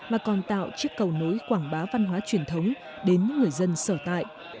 mà còn tạo chiếc cầu nối quảng bá văn hóa truyền thống đến những người dân sở tại